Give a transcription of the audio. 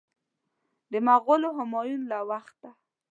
د مغول همایون له وخته.